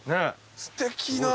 すてきな。